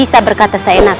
nyi rata santang